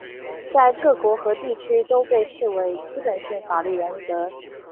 在各国和地区都被视为基本性法律原则。